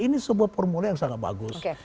ini sebuah formula yang sangat bagus